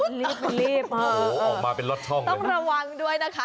ออกมาหลอกห้องต้องระวังด้วยนะคะ